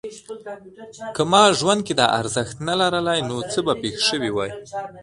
که ما ژوند کې دا ارزښت نه لرلای نو څه به پېښ شوي وای؟